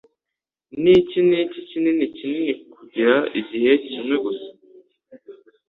Niki Niki Kinini Kinini Kugira Igihe kimwe gusa